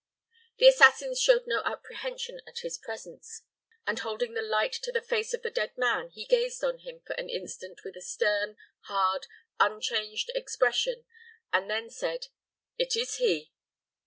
The assassins showed no apprehension of his presence, and holding the light to the face of the dead man, he gazed on him for an instant with a stern, hard, unchanged expression, and then said, "It is he!"